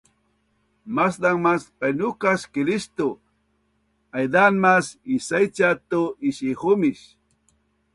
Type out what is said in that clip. maszang mas painukas Kilistu, aizaan mas isaicia tu is-ihumis